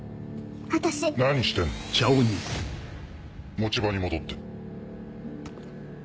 持ち場に戻って。